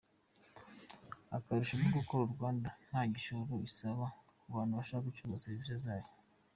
Akarusho ni uko Call Rwanda nta gishoro isaba kubantu bashaka gucuruza serivisi zayo.